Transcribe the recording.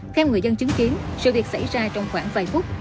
theo người dân chứng kiến sự việc xảy ra trong khoảng vài phút